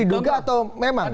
itu diduga atau memang tuh